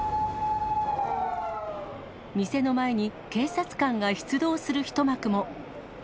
店の前に警察官が出動する一幕も。